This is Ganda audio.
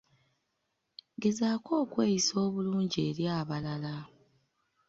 Gezaako okweyisa obulungi eri abalala.